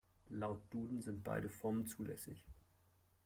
Laut Duden sind beide Formen zulässig.